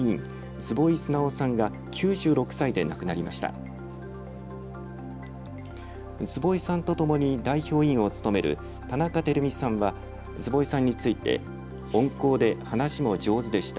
坪井さんとともに代表委員を務める田中熙巳さんは坪井さんについて温厚で話も上手でした。